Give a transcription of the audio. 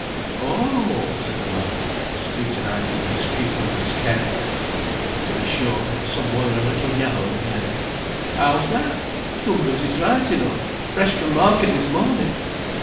"Oh," said the man, scrutinizing his cucumbers carefully. To be sure, some were a little yellow at the end. "How's that? Cumbers is right enough: fresh from market this morning."